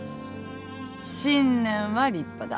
信念は立派だ。